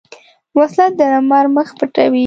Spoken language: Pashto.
وسله د لمر مخ پټوي